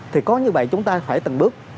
thì có như vậy chúng ta phải từng bước